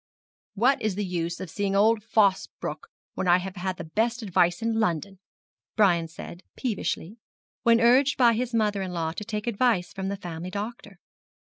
'What is the use of seeing old Fosbroke when I have had the best advice in London?' Brian said, peevishly, when urged by his mother in law to take advice from the family doctor.